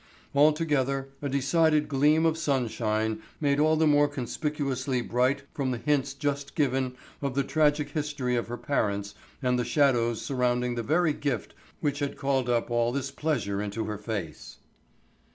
Altogether a decided gleam of sunshine, made all the more conspicuously bright from the hints just given of the tragic history of her parents and the shadows surrounding the very gift which had called up all this pleasure into her face.